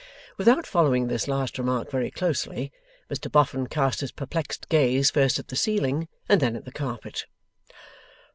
Without following this last remark very closely, Mr Boffin cast his perplexed gaze first at the ceiling, and then at the carpet.